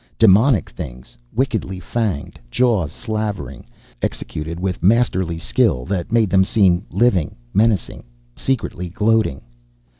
Demoniac things, wickedly fanged, jaws slavering. Executed with masterly skill, that made them seem living, menacing, secretly gloating!